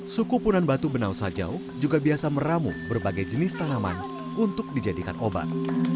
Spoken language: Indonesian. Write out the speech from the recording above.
suku punan batu benau sajau juga biasa meramu berbagai jenis tanaman untuk dijadikan obat